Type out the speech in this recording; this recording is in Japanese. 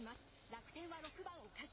楽天は６番岡島。